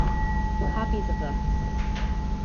Copies of the